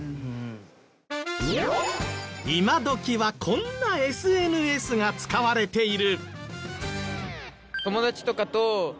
今どきはこんなＳＮＳが使われている。